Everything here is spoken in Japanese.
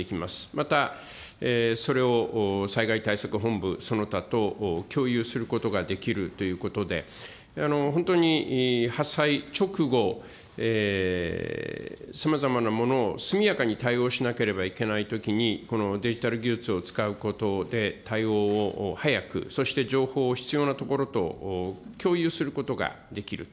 また、それを災害対策本部その他と共有することができるということで、本当に発災直後、さまざまなものを速やかに対応しなければいけないときに、このデジタル技術を使うことで、対応を早くそして情報を必要なところと共有することができる。